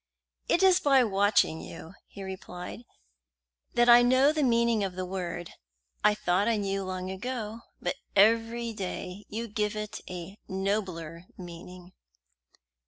"It is by watching you," he replied, "that I know the meaning of the word. I thought I knew long ago, but every day you give it a nobler meaning."